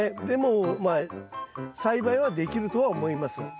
でもまあ栽培はできるとは思います。